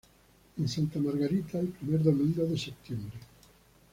En Santa Margarita el primer domingo de septiembre.